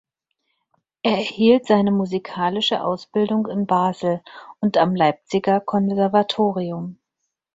Er erhielt seine musikalische Ausbildung in Basel und am Leipziger Konservatorium.